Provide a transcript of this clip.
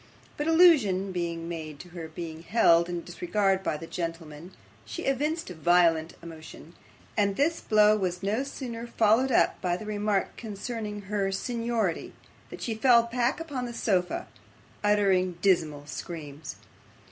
But allusion being made to her being held in disregard by the gentlemen, she evinced violent emotion, and this blow was no sooner followed up by the remark concerning her seniority, than she fell back upon the sofa, uttering dismal screams.